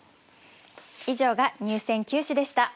以上が入選九首でした。